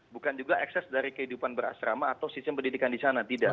bukan juga ekses dari kehidupan berasrama atau sistem pendidikan di sana tidak